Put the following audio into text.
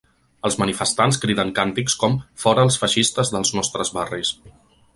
Els manifestants criden càntics com ‘Fora els feixistes dels nostres barris’.